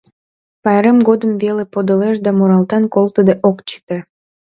Пайрем годым веле подылеш да муралтен колтыде ок чыте.